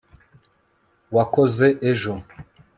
wakoze ejo